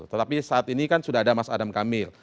tetapi saat ini kan sudah ada mas adam kamil